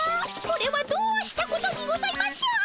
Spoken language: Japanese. これはどうしたことにございましょう！